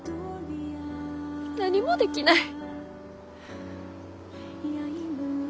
何もできない。